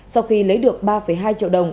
sau khi lấy được ba hai triệu đồng